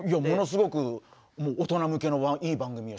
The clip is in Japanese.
ものすごく大人向けのいい番組。